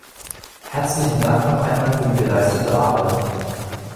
Herzlichen Dank noch einmal für die geleistete Arbeit!